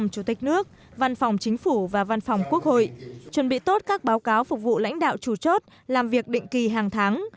chuẩn bị tốt các báo cáo phục vụ lãnh đạo chủ chốt làm việc định kỳ hàng tháng